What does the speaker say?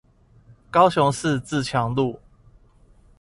高雄市自強路